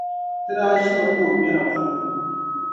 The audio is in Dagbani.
Ti daa ʒimi ka o kpɛna puu.